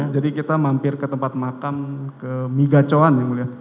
jadi kita mampir ke tempat makan ke migacoan yang mulia